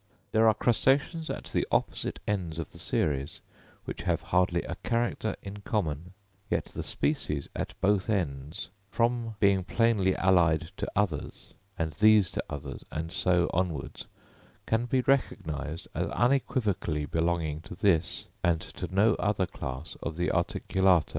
There are crustaceans at the opposite ends of the series, which have hardly a character in common; yet the species at both ends, from being plainly allied to others, and these to others, and so onwards, can be recognised as unequivocally belonging to this, and to no other class of the Articulata.